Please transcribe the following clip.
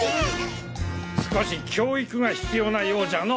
少し教育が必要なようじゃの。